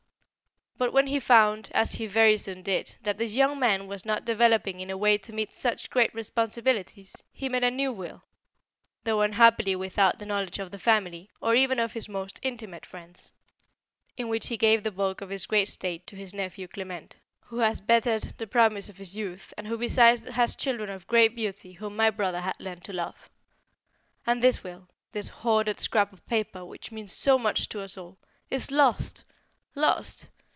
But when he found, as he very soon did, that this young man was not developing in a way to meet such great responsibilities, he made a new will though unhappily without the knowledge of the family, or even of his most intimate friends in which he gave the bulk of his great estate to his nephew Clement, who has bettered the promise of his youth and who besides has children of great beauty whom my brother had learned to love. And this will this hoarded scrap of paper which means so much to us all, is lost! lost!